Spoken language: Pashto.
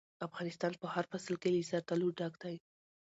افغانستان په هر فصل کې له زردالو ډک دی.